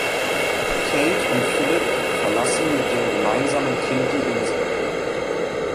Kate und Philip verlassen mit dem gemeinsamen Kind die Insel.